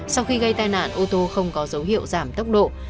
sau khi gây tai nạn ô tô không có dấu hiệu giảm tốc độ